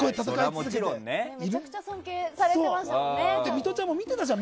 めちゃくちゃ尊敬されてましたね。